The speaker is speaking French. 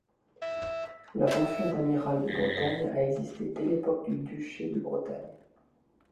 La fonction d'Amiral de Bretagne a existé dès l'époque du Duché de Bretagne.